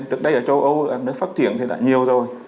trước đây ở châu âu nước phát triển thì đã nhiều rồi